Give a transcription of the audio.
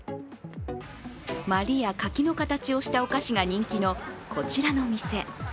まりや柿の形をしたお菓子が人気のこちらの店。